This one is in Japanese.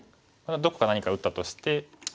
どこか何か打ったとして。